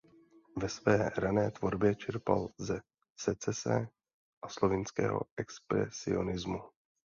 Ve své rané tvorbě čerpal ze secese a slovinského expresionismu.